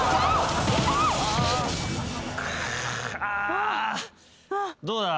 あどうだ？